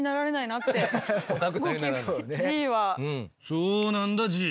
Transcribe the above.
そうなんだＧ。